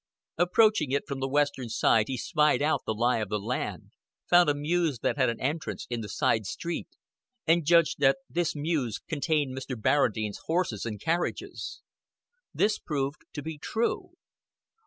Approaching it from the western side he spied out the lie of the land, found a mews that had an entrance in the side street, and judged that this mews contained Mr. Barradine's horses and carriages. This proved to be true.